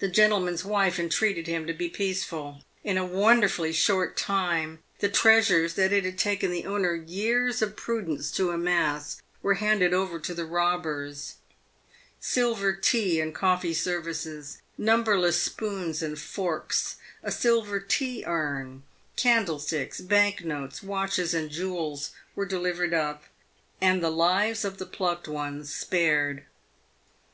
The gentle man's wife entreated him to be peaceful. In a wonderfully short time, the treasures that it had taken the owner years of prudence to amass were handed over to the robbers. Silver tea and coffee ser vices, numberless spoons and forks, a silver tea urn, candlesticks, bank notes, watches, and jewels, were delivered up, and the lives of the plucked ones spared.